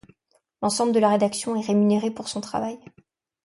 L’ensemble de la rédaction est rémunéré pour son travail.